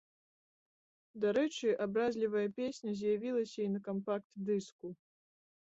Дарэчы, абразлівая песня з'явілася і на кампакт-дыску.